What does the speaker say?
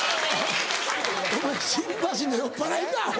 お前新橋の酔っぱらいかアホ！